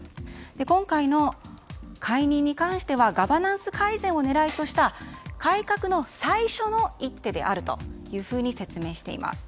今回の解任に関してはガバナンス改善を狙いとした改革の最初の一手であると説明しています。